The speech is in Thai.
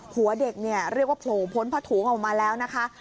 หัวเด็กเนี่ยเรียกว่าโผล่พ้นผ้าถุงออกมาแล้วนะคะ